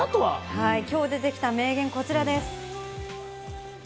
きょう出てきた名言、こちらです。